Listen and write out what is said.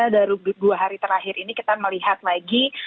baru dua hari terakhir ini kita melihat lagi